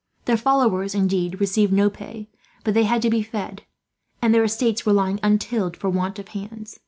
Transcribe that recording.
Their followers, indeed, received no pay; but they had to be fed, and their estates were lying untilled for want of hands.